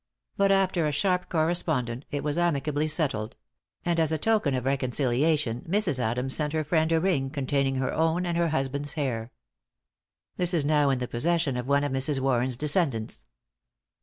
But after a sharp correspondent, it was amicably settled; and as a token of reconciliation, Mrs. Adams sent her friend a ring containing her own and her husband's hair. This is now in the possession of one of Mrs. Warren's descendants.